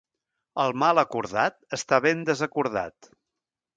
El mal acordat està ben desacordat.